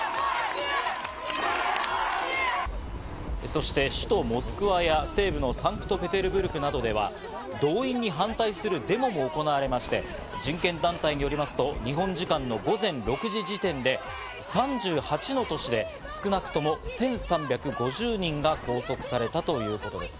そして、首都モスクワや西部のサンクトペテルブルクなどでは動員に反対するデモも行われまして、人権団体によりますと、日本時間の午前６時時点で３８の都市で少なくとも１３５０人が拘束されたということです。